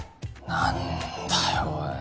何だよおい。